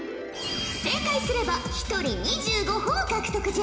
正解すれば一人２５ほぉ獲得じゃ。